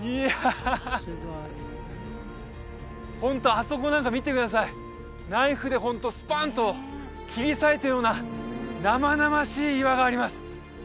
ホントあそこなんか見てくださいナイフでホントスパンと切り裂いたような生々しい岩があります